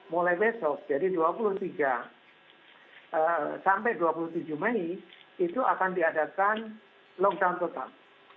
mulai besok jadi dua puluh tiga sampai dua puluh tujuh mei itu akan diadakan lockdown total